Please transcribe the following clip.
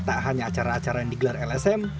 tak hanya acara acara yang digelar lsm